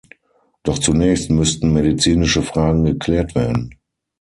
Doch zunächst müssten medizinische Fragen geklärt werden.